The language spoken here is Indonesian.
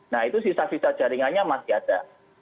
nah itu sisa sisa jaringannya masih ada